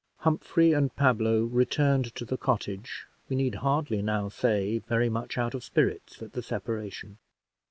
Humphrey and Pablo returned to the cottage, we need hardly now say, very much out of spirits at the separation.